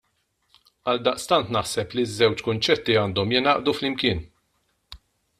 Għaldaqstant naħseb li ż-żewġ kunċetti għandhom jingħaqdu flimkien.